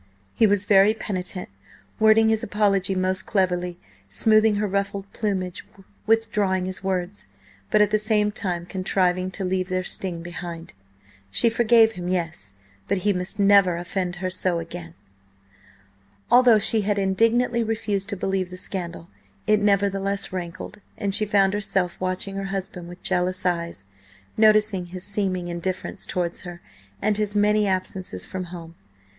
He was very penitent, wording his apology most cleverly, smoothing her ruffled plumage, withdrawing his words, but at the same time contriving to leave their sting behind. She forgave him, yes, but he must never offend her so again. Although she had indignantly refused to believe the scandal, it nevertheless rankled, and she found herself watching her husband with jealous eyes, noticing his seeming indifference towards her and his many absences from home.